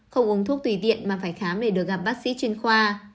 không uống thuốc tùy điện mà phải khám để được gặp bác sĩ chuyên khoa